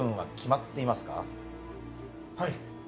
はい。